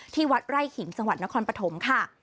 ที่วัดไร่ขิงจังหวัดนครปฐมค่ะ